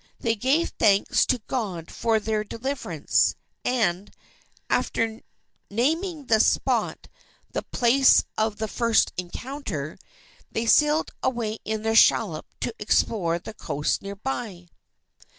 They gave thanks to God for their deliverance; and, after naming the spot The Place of the First Encounter, they sailed away in their shallop to explore the coast near by.